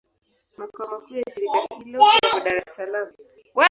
Makao makuu ya shirika hilo yapo Dar es Salaam.